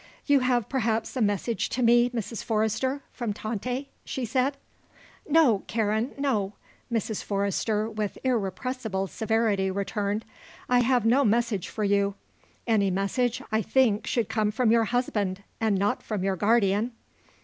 "You have perhaps a message to me, Mrs. Forrester, from Tante," she said. "No, Karen, no," Mrs. Forrester with irrepressible severity returned. "I have no message for you. Any message, I think should come from your husband and not from your guardian."